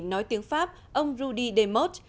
nói tiếng pháp ông rudy demott